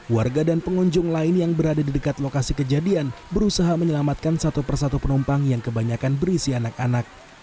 warga dan pengunjung lain yang berada di dekat lokasi kejadian berusaha menyelamatkan satu persatu penumpang yang kebanyakan berisi anak anak